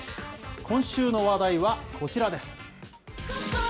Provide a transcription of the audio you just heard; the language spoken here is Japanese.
今週の話題はこちらです。